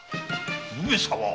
上様！